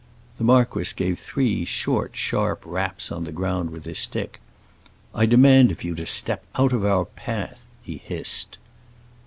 The marquis gave three short sharp raps on the ground with his stick. "I demand of you to step out of our path!" he hissed.